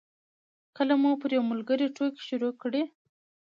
کله مو پر یو ملګري ټوکې شروع کړې.